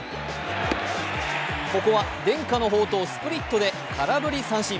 ここは伝家の宝刀スプリットで空振り三振。